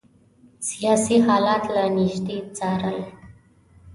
سیاسي حالات له نیژدې څارل.